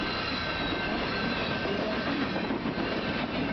Ә һин... өйләндеңме?